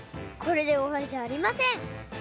これでおわりじゃありません！